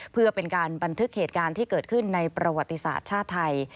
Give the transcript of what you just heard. เพื่อเป็นการบันทึกเหตุการณ์ที่เกิดขึ้นในประวัติศาสตร์ชาติไทย